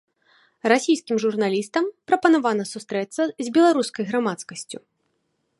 Расійскім журналістам прапанавана сустрэцца з беларускай грамадскасцю.